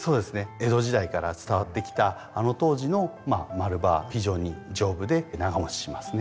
江戸時代から伝わってきたあの当時の丸葉非常に丈夫で長もちしますね。